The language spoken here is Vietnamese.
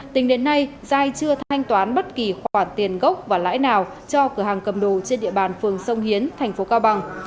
tính đến nay giai chưa thanh toán bất kỳ khoản tiền gốc và lãi nào cho cửa hàng cầm đồ trên địa bàn phường sông hiến thành phố cao bằng